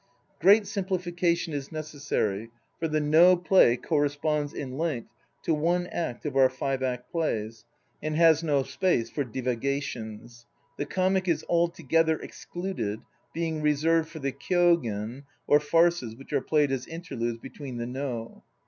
Great simplification is necessary, for the No play corresponds in length to one act of our five act plays, and has no space for divaga te comic is altogether excluded, being reserved for the kydgen or farces which are played as interludes between the No.